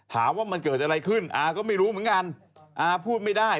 ถามว่ามันเกิดอะไรขึ้นอาก็ไม่รู้เหมือนกันอาพูดไม่ได้